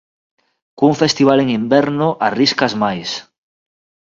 Cun festival en inverno arriscas máis.